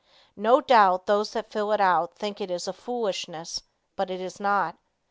No doubt those that fill it out think it is foolishness, but it is not.